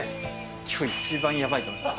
きょう、一番やばいと思います。